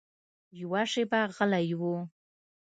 يوه شېبه غلی و.